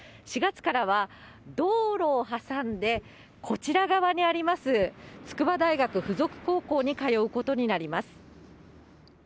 ４月からは道路を挟んでこちら側にあります、筑波大学附属高校に通うことになります。